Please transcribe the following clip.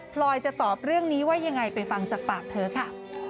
พลอยจะตอบเรื่องนี้ว่ายังไงไปฟังจากปากเธอค่ะ